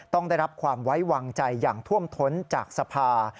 ต้องได้รับความไว้วางใจอย่างท่วมท้นจากสภา